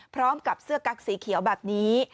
พร้อมกับเสื้อกั๊กสีเขียวแบบนี้